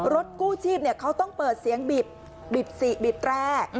รถกู้ชีพเนี่ยเขาต้องเปิดเสียงบีบบีบสี่บีบแปล